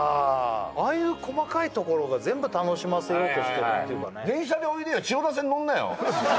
ああいう細かいところが全部楽しませようとしてるっていうかね